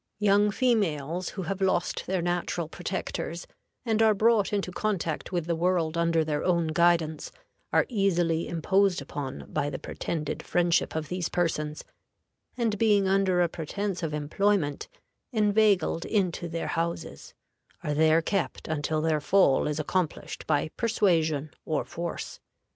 Young females who have lost their natural protectors, and are brought into contact with the world under their own guidance, are easily imposed upon by the pretended friendship of these persons, and being under a pretense of employment inveigled into their houses, are there kept until their fall is accomplished by persuasion or force.